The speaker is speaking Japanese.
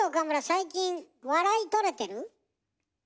最近笑いとれてる？